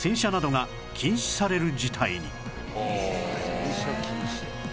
洗車禁止令。